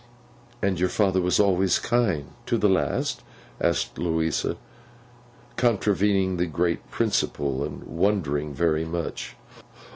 'And your father was always kind? To the last?' asked Louisa contravening the great principle, and wondering very much.